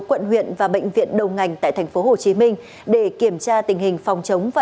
bệnh viện và bệnh viện đầu ngành tại thành phố hồ chí minh để kiểm tra tình hình phòng chống và